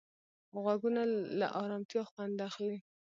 غوږونه له ارامتیا خوند اخلي